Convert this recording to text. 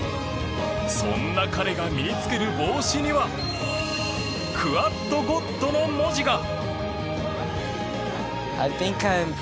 そんな彼が身に着ける帽子には「クアッドゴッド」の文字が。